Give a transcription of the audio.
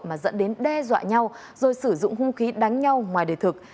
mà dẫn đến đe dọa nhau rồi sử dụng hung khí đánh nhau ngoài đề thực